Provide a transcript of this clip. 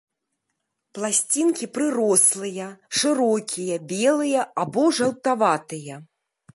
Пласцінкі прырослыя, шырокія, белыя або жаўтаватыя.